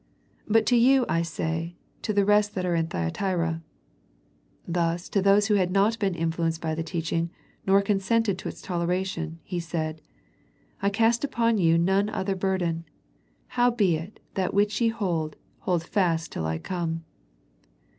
" But to you I say, to the rest that are in Thyatira." Thus to those who had not been influenced by the teaching, nor consented to its toleration, He said, " I cast upon you none other burden. Howbeit that which ye have, hold fast till I come."